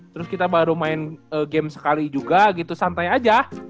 terus kita baru main game sekali juga gitu santai aja